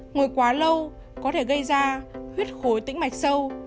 ngồi quá lâu có thể gây ra huyết khối tĩnh mạch sâu